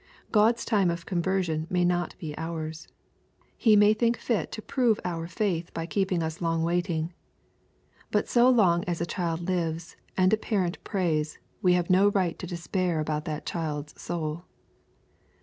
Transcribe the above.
God's time of conversion may not be ours. He may think fit to prove our faith by keeping us long waiting. But so long as a child lives, and a parent prays, we have no right to despair about that child's soul.